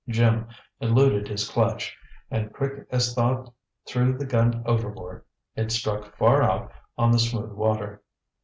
Jim eluded his clutch, and quick as thought threw the gun overboard. It struck far out on the smooth water.